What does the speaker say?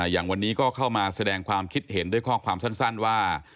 อย่างวันนี้ก็เข้ามาแสดงความคิดเห็นด้วยข้อความสั้นว่า